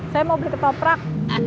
saya mau beli ke toprak